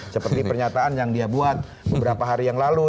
seperti pernyataan yang dia buat beberapa hari yang lalu